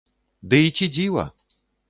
Ды і ці дзіва!